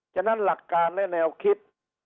ฉะนั้นหลักการและแนวคิด